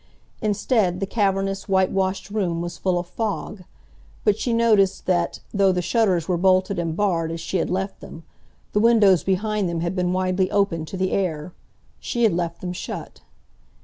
Instead, the cavernous, whitewashed room was full of fog, but she noticed that, though the shutters were bolted and barred as she had left them, the windows behind them had been widely opened to the air. She had left them shut.